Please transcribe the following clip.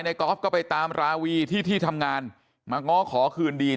กอล์ฟก็ไปตามราวีที่ที่ทำงานมาง้อขอคืนดี